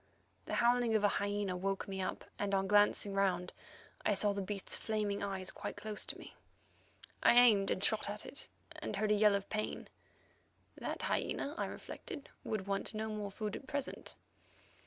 The howling of a hyena woke me up, and, on glancing around, I saw the beast's flaming eyes quite close to me. I aimed and shot at it, and heard a yell of pain. That hyena, I reflected, would want no more food at present.